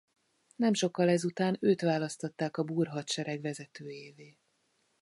Nem sokkal ez után őt választották a búr hadsereg vezetőjévé.